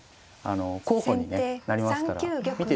候補にねなりますから見てる方もね